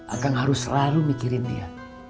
akan harus selalu mikirin dia